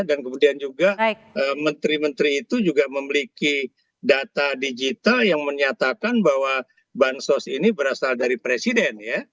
dan kemudian juga menteri menteri itu juga memiliki data digital yang menyatakan bahwa bansos ini berasal dari presiden ya